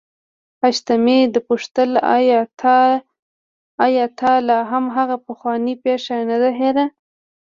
حشمتي وپوښتل آيا تا لا هم هغه پخوانۍ پيښه نه ده هېره.